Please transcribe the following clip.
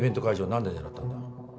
何で狙ったんだ？